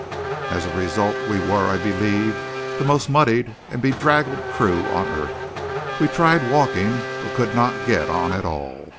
As a result we were, I believe, the most muddied and bedraggled crew on earth. We tried walking, but could not get on at all.